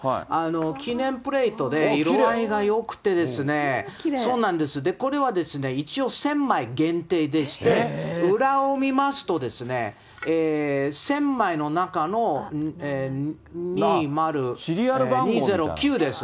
記念プレートで色合いがよくてですね、これは一応、１０００枚限定でして、裏を見ますとですね、１０００枚の中の２０９です。